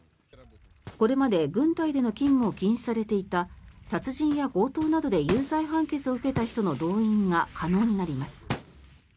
これまで軍隊での勤務を禁止されていた殺人や強盗などで有罪判決を受けた人の動員が可能になります。